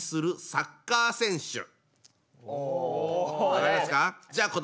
分かりましたか？